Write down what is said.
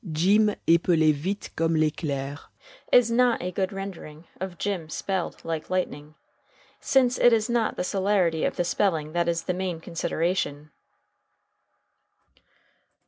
"Jim epelait vite comme l'eclair" is not a good rendering of "Jim spelled like lightning," since it is not the celerity of the spelling that is the main consideration.